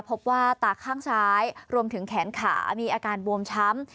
พบว่าตาข้างซ้ายรวมถึงแขนขามีอาการบวมช้ำ